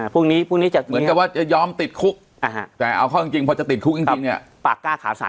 พวกนี้ในวันแต้วเอาความจริงออกจะติดคุกเองเจ้าปากกล้าขาวสั่น